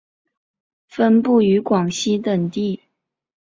分布于广西等地。